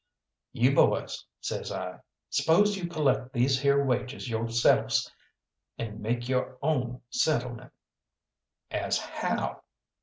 "You boys," says I, "spose you collect these here wages yo'selves and make yo're own settlement?" "As how?"